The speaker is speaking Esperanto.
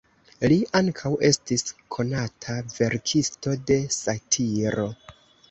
Li ankaŭ estis konata verkisto de satiro.